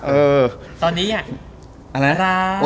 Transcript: ตอนนี้อะรัก